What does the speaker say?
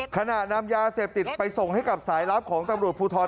ขณะนำยาเสพติดไปส่งให้กับสายลับของตำรวจภูทร